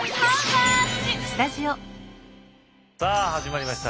さあ始まりました。